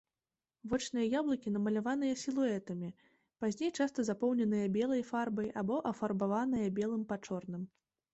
Вочныя яблыкі намаляваныя сілуэтамі, пазней часта запоўненыя белай фарбай або афарбаваныя белым па чорным.